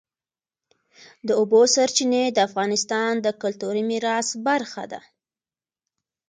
د اوبو سرچینې د افغانستان د کلتوري میراث برخه ده.